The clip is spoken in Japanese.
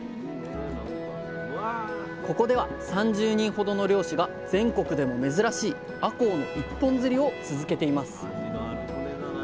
ここでは３０人ほどの漁師が全国でも珍しいあこうの一本釣りを続けています。